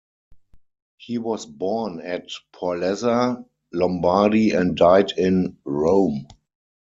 He was born at Porlezza, Lombardy and died in Rome.